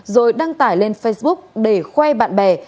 rồi đăng tải lên facebook để khoe bạn bè